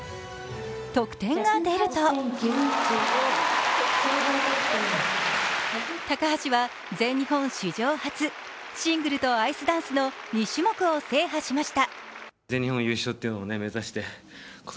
得点が出ると高橋は全日本史上初、シングルとアイスダンスの２種目を制覇しました。